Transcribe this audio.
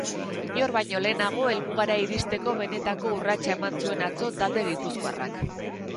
Inor baino lehenago helmugara iristeko benetako urratsa eman zuen atzo talde gipuzkoarrak.